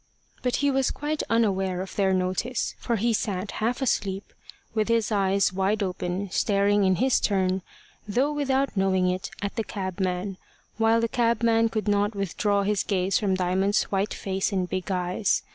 But he was quite unaware of their notice, for he sat half asleep, with his eyes wide open, staring in his turn, though without knowing it, at the cabman, while the cabman could not withdraw his gaze from Diamond's white face and big eyes.